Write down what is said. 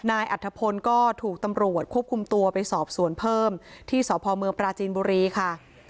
อัฐพลก็ถูกตำรวจควบคุมตัวไปสอบสวนเพิ่มที่สพเมืองปราจีนบุรีค่ะ